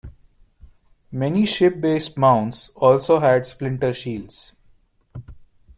Many ship based mounts also had splinter shields.